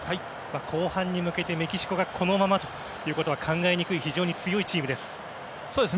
後半に向けて、メキシコがこのままということは考えにくい非常に強いチームです。